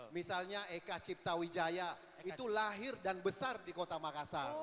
misalnya eka cipta wijaya itu lahir dan besar di kota makassar